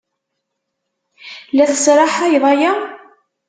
La tesraḥayed aya?